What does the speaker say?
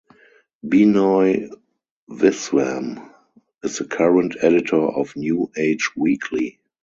Binoy Viswam is the current editor of "New Age Weekly".